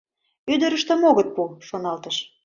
Ӱдырыштым огыт пу», — шоналтыш...